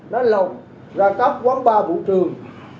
nó lồng ra góc quán bar vụ trường